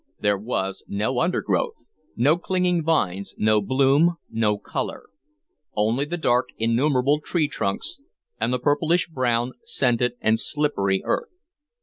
There was no undergrowth, no clinging vines, no bloom, no color; only the dark, innumerable tree trunks and the purplish brown, scented, and slippery earth.